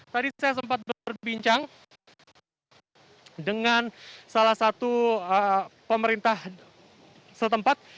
tadi saya sempat berbincang dengan salah satu pemerintah setempat